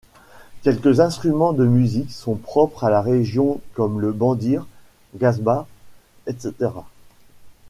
Quelques instruments de musique sont propres à la région comme le bendir, Gasba, etc.